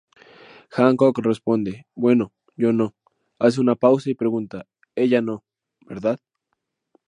Hancock responde: "Bueno, yo no", hace una pausa y pregunta: "Ella no, ¿verdad?